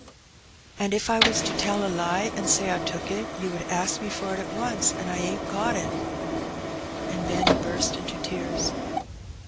" And if I was to tell a lie and say I took it, you would ask me for it at once, and I ain't got it." And Benny burst into tears.